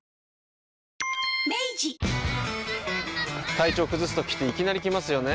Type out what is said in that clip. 体調崩すときっていきなり来ますよね。